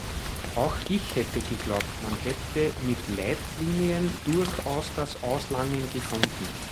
Auch ich hätte geglaubt, man hätte mit Leitlinien durchaus das Auslangen gefunden.